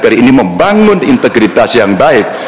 dari ini membangun integritas yang baik